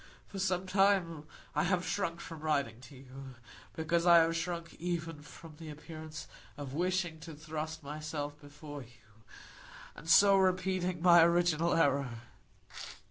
"For some time I have shrunk from writing to you, because I have shrunk even from the appearance of wishing to thrust myself before you, and so repeating my original error.